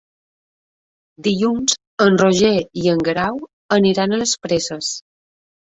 Dilluns en Roger i en Guerau aniran a les Preses.